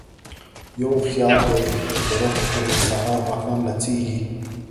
یو خیال دی چې په روح کې مې سهار ماښام نڅیږي